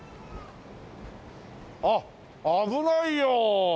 あっ危ないよ！